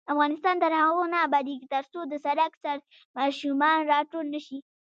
افغانستان تر هغو نه ابادیږي، ترڅو د سړک سر ماشومان راټول نشي.